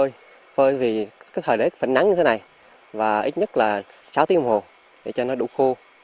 nhiền tình bị đánh cấp